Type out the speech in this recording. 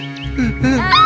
mereka mulai berbicara